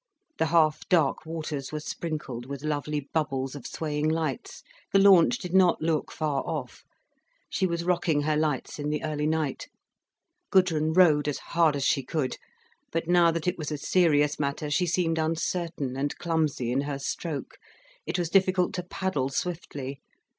The half dark waters were sprinkled with lovely bubbles of swaying lights, the launch did not look far off. She was rocking her lights in the early night. Gudrun rowed as hard as she could. But now that it was a serious matter, she seemed uncertain and clumsy in her stroke, it was difficult to paddle swiftly.